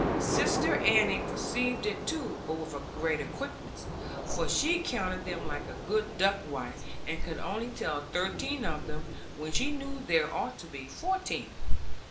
Sister Annie perceived it too, but with a greater quickness; for she counted them like a good duck wife, and could only tell thirteen of them, when she knew there ought to be fourteen.